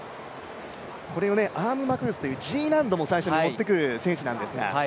これをアームマクーツというＧ難度を最初に持ってくる選手なんですが。